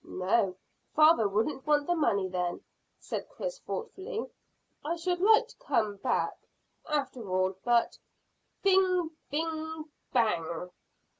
"No; father wouldn't want the money then," said Chris thoughtfully. "I should like to come back, after all, but " Bing! Bing! Bang!